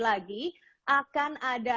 lagi akan ada